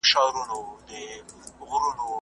هر څوک چې زغم لري هغه بریالی کېږي.